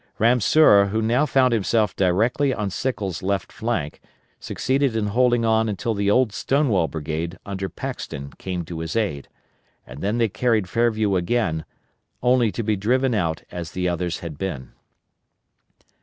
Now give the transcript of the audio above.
Ramseur, who now found himself directly on Sickles' left flank, succeeded in holding on until the old Stonewall brigade under Paxton came to his aid, and then they carried Fairview again, only to be driven out as the others had been.